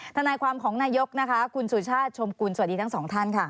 ทนายความของนายกนะคะคุณสุชาติชมกุลสวัสดีทั้งสองท่านค่ะ